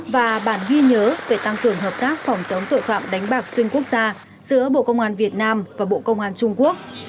và bản ghi nhớ về tăng cường hợp tác phòng chống tội phạm đánh bạc xuyên quốc gia giữa bộ công an việt nam và bộ công an trung quốc